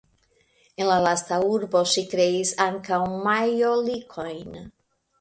En la lasta urbo ŝi kreis ankaŭ majolikojn.